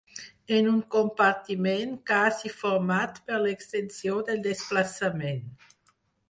En un compartiment quasi format per l'extensió del desplaçament.